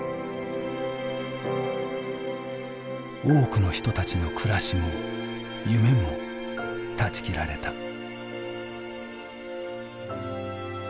多くの人たちの暮らしも夢も断ち切られた。